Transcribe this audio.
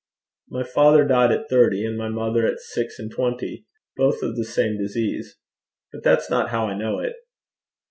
'My father died at thirty, and my mother at six and twenty, both of the same disease. But that's not how I know it.'